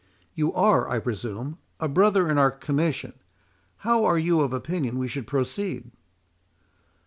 You are, I presume, a brother in our commission,—how are you of opinion we should proceed?"